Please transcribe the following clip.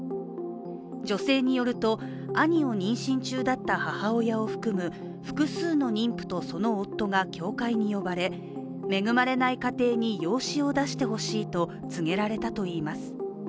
女性によると兄を妊娠中だった母親を含む複数の妊婦と、その夫が教会に呼ばれ恵まれない家庭に養子を出してほしいと告げられたといいます。